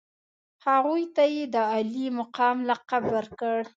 هغوی ته یې د عالي مقام لقب ورکړ.